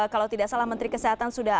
kalau tidak salah menteri kesehatan sudah